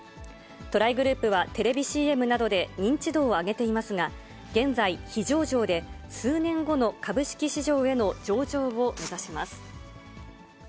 トライグループは、テレビＣＭなどで認知度を上げていますが、現在、非上場で、数年後の株式市場への上場を目指します。